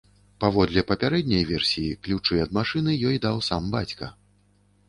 Паводле папярэдняй версіі, ключы ад машыны ёй даў сам бацька.